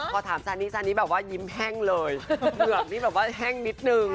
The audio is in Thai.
พอถามซานิชานี้แบบว่ายิ้มแห้งเลยเหงือกนี่แบบว่าแห้งนิดนึง